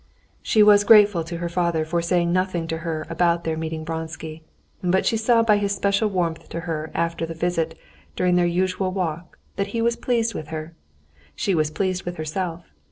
She was grateful to her father for saying nothing to her about their meeting Vronsky, but she saw by his special warmth to her after the visit during their usual walk that he was pleased with her. She was pleased with herself.